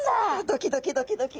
ドキドキドキドキ。